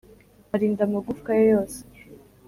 Arinda amagufwa ye yose